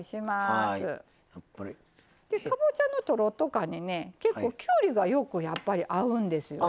かぼちゃのとろっと感にね結構きゅうりがよくやっぱり合うんですよね。